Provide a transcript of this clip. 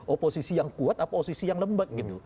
oposisi yang kuat apa oposisi yang lembut